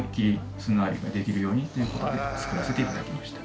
ようにということで作らせていただきました。